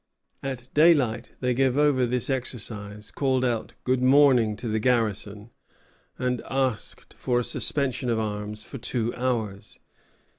At daylight they gave over this exercise, called out "Good morning!" to the garrison, and asked for a suspension of arms for two hours.